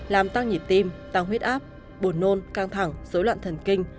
làm tăng nhịp tim tăng huyết áp buồn nôn căng thẳng dối loạn thần kinh